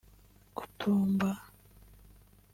Gutumba